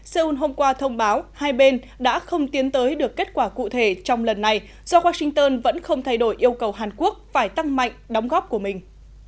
seoul hôm qua thông báo hai bên đã không tiến tới được kết quả cụ thể trong lần này do washington vẫn không thay đổi yêu cầu hàn quốc phải tăng mạnh đóng góp của mình